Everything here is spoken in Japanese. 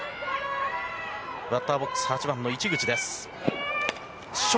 バッターボックスは８番、市口です。